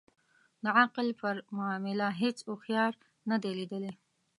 د عقل پر معامله هیڅ اوښیار نه دی لېدلی.